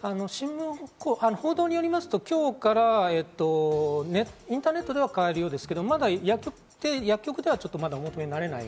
報道によりますと、今日からインターネットでは買えるようですが、薬局ではまだお求めになれない。